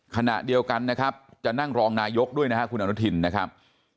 ขณะเดียวกันนะครับจะนั่งรองนายกด้วยนะครับคุณอนุทินนะครับ